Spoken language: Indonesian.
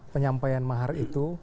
penyampaian mahar itu